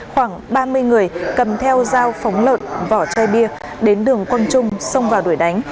khoảng ba mươi người cầm theo dao phóng lợn vỏ chai bia đến đường quang trung xông vào đuổi đánh